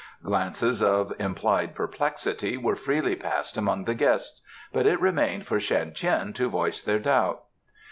Glances of implied perplexity were freely passed among the guests, but it remained for Shan Tien to voice their doubt.